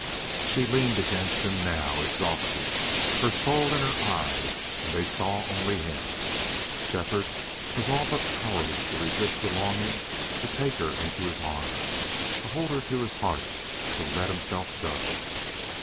She leaned against him now, exhausted, her soul in her eyes, and they saw only him. Shefford was all but powerless to resist the longing to take her into his arms, to hold her to his heart, to let himself go.